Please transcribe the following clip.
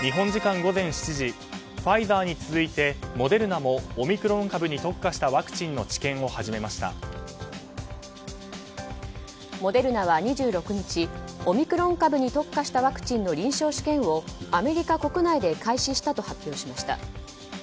日本時間午前７時ファイザーに続いてモデルナもオミクロン株に特化したワクチンの治験をモデルナは２６日オミクロン株に特化したワクチンの臨床試験をアメリカ国内で開始したと発表しました。